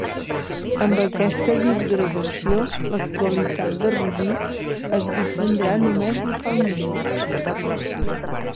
Amb aquesta disgregació, l'actualitat de Rubí es difondrà només localment.